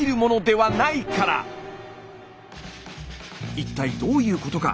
一体どういうことか？